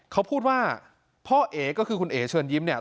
เขาพูดว่าพ่อเอ๋ก็คือคุณเอ๋เชิญยิ้มเนี่ย